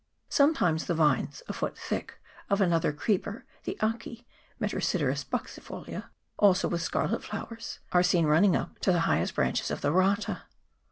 Sometimes the vines, a foot thick, of another creeper, the aki (Metrosideros buxifolia), also with scarlet flowers, are seen running up to the highest branches of the rata.